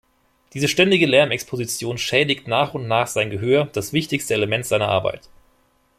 Diese ständige Lärmexposition schädigt nach und nach sein Gehör, das wichtigste Element seiner Arbeit.